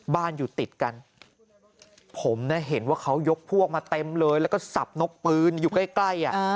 อยู่ติดกันผมนะเห็นว่าเขายกพวกมาเต็มเลยแล้วก็สับนกปืนอยู่ใกล้